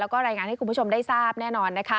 แล้วก็รายงานให้คุณผู้ชมได้ทราบแน่นอนนะคะ